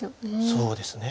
そうですね。